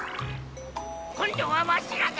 こんどはわしらだ！